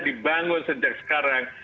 dibangun sejak sekarang